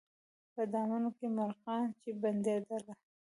په دامونو کي مرغان چي بندېدله